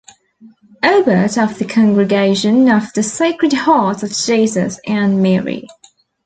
Aubert of the Congregation of the Sacred Hearts of Jesus and Mary.